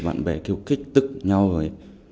bạn bè kêu kích tức nhau rồi